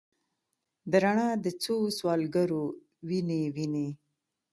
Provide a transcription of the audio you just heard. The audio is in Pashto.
د رڼا د څوسوالګرو، وینې، وینې